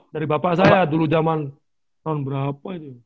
dari bapak saya dulu zaman tahun berapa itu